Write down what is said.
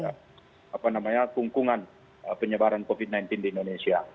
apa namanya kungkungan penyebaran covid sembilan belas di indonesia